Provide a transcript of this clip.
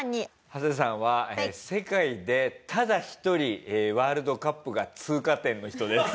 ハセさんは世界でただ１人ワールドカップが通過点の人です。